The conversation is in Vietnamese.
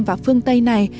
và phương tây này